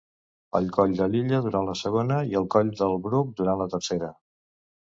El coll de Lilla durant la segona i el coll del Bruc durant la tercera.